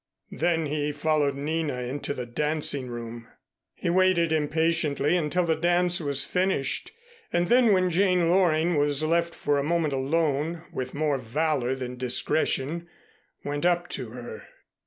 Then he followed Nina into the dancing room. He waited impatiently until the dance was finished, and then, when Jane Loring was left for a moment alone, with more valor than discretion, went up to her.